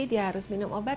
dia harus minum obat